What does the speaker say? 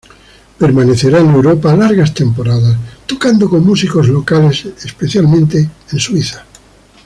Permanecerá en Europa largas temporadas, tocando con músicos locales, especialmente en Suiza.